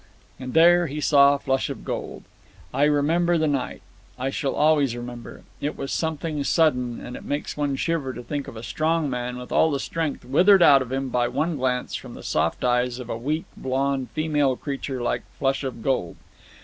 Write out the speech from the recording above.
And there he saw Flush of Gold. I remember the night. I shall always remember. It was something sudden, and it makes one shiver to think of a strong man with all the strength withered out of him by one glance from the soft eyes of a weak, blond, female creature like Flush of Gold.